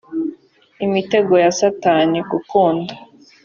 imitego ya satani gukunda